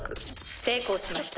成功しました。